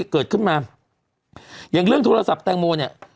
เกิดขึ้นมาอย่างเรื่องโทรศัพท์แตงโมเนี่ย